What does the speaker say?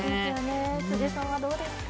辻さんはどうですか？